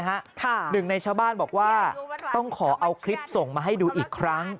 หนึ่งในชาวบ้านบอกว่าต้องขอเอาคลิปส่งมาให้ดูอีกครั้ง